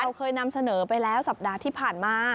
เราเคยนำเสนอไปแล้วสัปดาห์ที่ผ่านมา